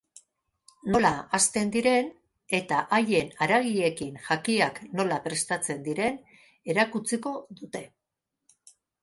Nola hazten diren eta haien haragiekin jakiak nola prestatzen diren erakutsiko dute.